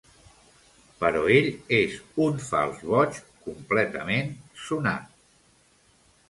Però ell és un fals boig, completament sonat.